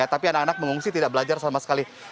tapi anak anak mengungsi tidak belajar sama sekali